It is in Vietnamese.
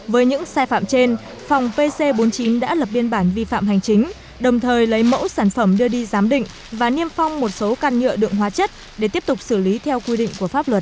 với những sai phạm trên phòng pc bốn mươi chín đã lập biên bản vi phạm hành chính đồng thời lấy mẫu sản phẩm đưa đi giám định và niêm phong một số căn nhựa đựng hóa chất để tiếp tục xử lý theo quy định của pháp luật